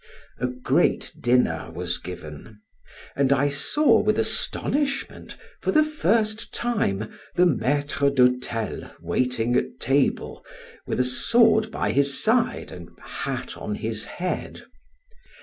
A great dinner was given; and I saw, with astonishment, for the first time, the maitre d' hotel waiting at table, with a sword by his side, and hat on his head.